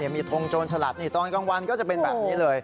มีทงโจรสลัดตอนกลางวันก็จะเป็นแบบนี้เลย